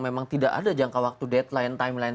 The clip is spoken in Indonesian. memang tidak ada jangka waktu deadline timeline